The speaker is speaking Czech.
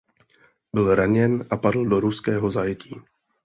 Byl raněn a padl do ruského zajetí.